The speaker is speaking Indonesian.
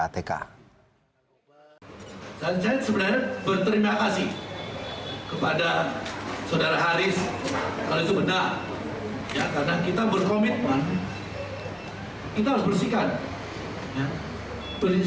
saya sebenarnya berterima kasih kepada saudara haris